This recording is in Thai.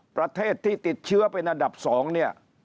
ประเทศที่ติดเชื้อเป็นอันดับ๒เนี่ย